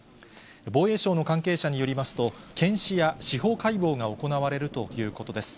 防衛省の関係者によりますと、検死や司法解剖が行われるということです。